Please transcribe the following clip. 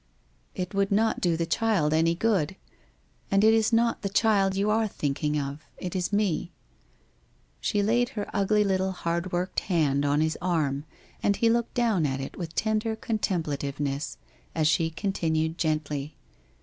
' It would not do the child any good. And it is not the child you are thinking of. It is me ' She laid her ugly little hardworked hand on his arm, and he looked down at it with tender contemplativeness, as she continued gently.